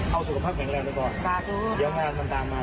เอาสุขภาพเก่งแรงไปก่อนเดี๋ยวผ่านอันตรามา